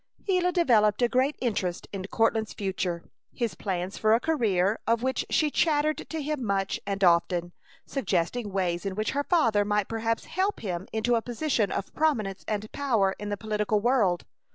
Gila developed a great interest in Courtland's future, his plans for a career, of which she chattered to him much and often, suggesting ways in which her father might perhaps help him into a position of prominence and power in the political world.